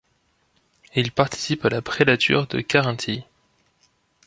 Il participe à la prélature de Carinthie.